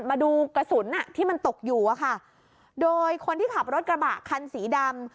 มาดูกระสุนอ่ะที่มันตกอยู่อะค่ะโดยคนที่ขับรถกระบะคันสีดำ